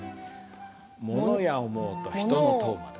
「物や思ふと人の問ふまで」